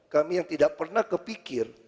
kami yang tidak pernah kepikir